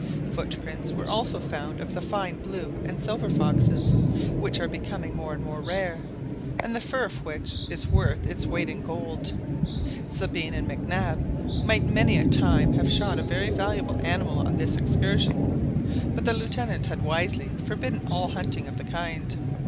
Footprints were also found of the fine blue and silver foxes, which are becoming more and more rare, and the fur of which is worth its weight in gold. Sabine and Mac Nab might many a time have shot a very valuable animal on this excursion, but the Lieutenant had wisely forbidden all hunting of the kind.